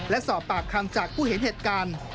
และสอบปากคำจากผู้เห็นเหตุการณ์